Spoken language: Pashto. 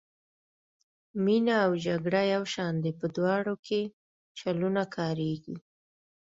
مینه او جګړه یو شان دي په دواړو کې چلونه کاریږي.